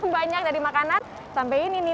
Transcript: banyak dari makanan sampai ini nih